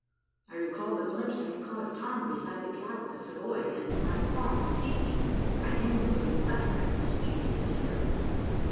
I recalled the glimpse I had caught of Tom beside the cab at the Savoy, and, my qualms ceasing, I inwardly blessed that mischievous spirit.